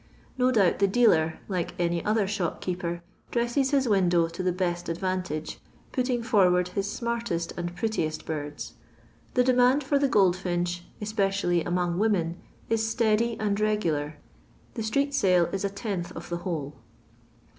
No doubt the dealer, like any other shopkeeper, dresses his window to the best advan tage, putting forward his smartest and prettiest birds. The demand for the goldfinch, especially among women, is steady and regular. The street sale is a tenth of the whole.